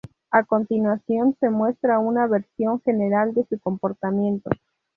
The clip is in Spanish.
A continuación se muestra una visión general de su comportamiento.